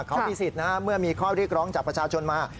เขามีสิทธิ์นะฮะเมื่อมีข้อเรียกร้องจากประชาชนมา